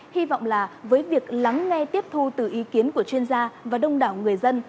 hy vọng là với việc lắng nghe tiếp thu từ ý kiến của chuyên gia và đông đảo người dân